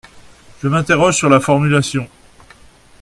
Je m’interroge sur la formulation.